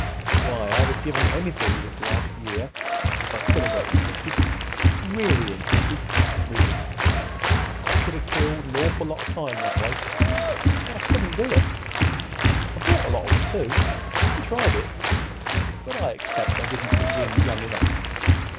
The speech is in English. Why, I'd 'a' given anything this last year if I could 'a' got interested—really interested, readin'. I could 'a' killed an awful lot of time that way. But I couldn't do it. I bought a lot of 'em, too, an' tried it; but I expect I didn't begin young enough.